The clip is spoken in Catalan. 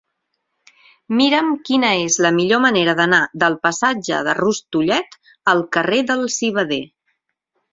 Mira'm quina és la millor manera d'anar del passatge de Rustullet al carrer del Civader.